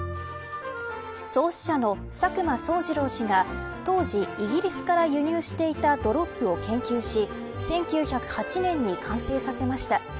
創始者の佐久間惣治郎氏が当時イギリスから輸入していたドロップを研究し１９０８年に完成させました。